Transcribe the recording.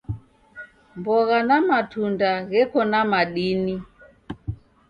Mbogha na matunda gheko na madini.